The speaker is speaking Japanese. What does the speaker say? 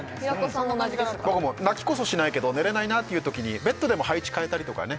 そんな感じかなと僕も泣きこそしないけど寝れないなというときにベッドでも配置変えたりとかね